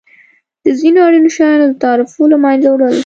د ځینو اړینو شیانو د تعرفو له مینځه وړل.